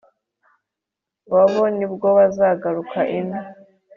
Babo ni bwo bazagaruka ino